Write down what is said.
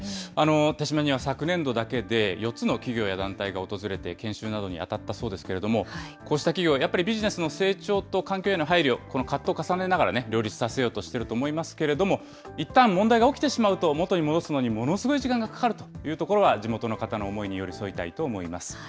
豊島には昨年度だけで、４つの企業や団体が訪れて研修などに当たったそうですけれども、こうした企業、やっぱりビジネスの成長と環境への配慮、葛藤を重ねながらも両立させようとしていると思いますけれども、いったん問題が起きてしまうと、元に戻すのにものすごく時間がかかるというところは地元の方の思いに寄り添いたいと思います。